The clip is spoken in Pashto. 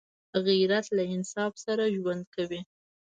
غیرت له انصاف سره ژوند کوي